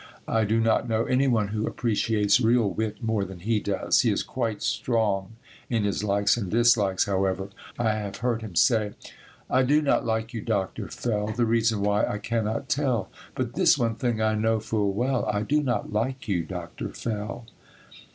I do not know any one who appreciates real wit more than he does. He is quite strong in his likes and dislikes, however. I have heard him say, "I do not like you, Dr. Fell, The reason why, I cannot tell; But this one thing I know full well, I do not like you, Dr. Fell."